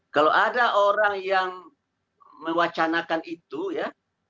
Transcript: kalau ada orang yang mewacanakan itu ya